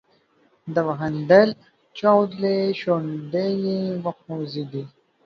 ده وخندل، چاودلې شونډې یې وخوځېدې.